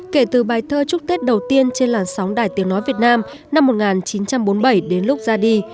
kể từ bài thơ chúc tết đầu tiên trên làn sóng đài tiếng nói việt nam năm một nghìn chín trăm bốn mươi bảy đến lúc ra đi